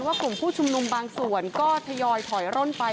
กลุ่มผู้ชุมนุมบางส่วนก็ทยอยถอยร่นไป